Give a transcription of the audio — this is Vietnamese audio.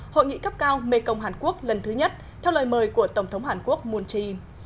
hội nghị cấp cao mekong hàn quốc lần thứ nhất theo lời mời của tổng thống hàn quốc moon jae in